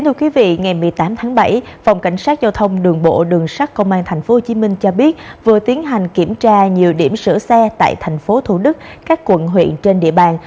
ngày một mươi tám tháng bảy phòng cảnh sát giao thông đường bộ đường sát công an tp hcm cho biết vừa tiến hành kiểm tra nhiều điểm sửa xe tại thành phố thủ đức các quận huyện trên địa bàn